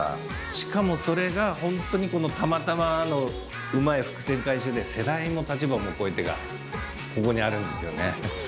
しかもそれがホントに「たまたま」のうまい伏線回収で「世代も立場も越えて」がここにあるんですよね。